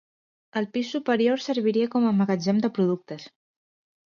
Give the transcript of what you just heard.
El pis superior serviria com a magatzem de productes.